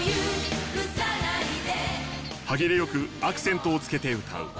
歯切れよくアクセントをつけて歌う。